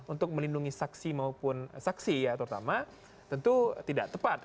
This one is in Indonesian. untuk melindungi saksi maupun saksi ya terutama tentu tidak tepat